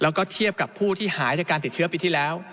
แล้วก็เทียบกับผู้ที่หายจากการติดเชื้อปีที่แล้ว